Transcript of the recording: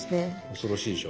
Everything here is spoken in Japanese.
恐ろしいでしょ。